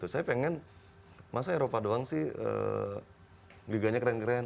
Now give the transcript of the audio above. saya pengen masa eropa doang sih liganya keren keren